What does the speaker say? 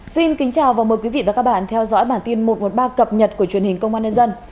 xin kính chào và mời quý vị và các bạn theo dõi bản tin một trăm một mươi ba cập nhật của truyền hình công an nhân dân